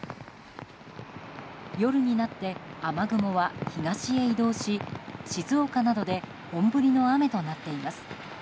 夜になって雨雲は東へ移動し静岡などで本降りの雨となっています。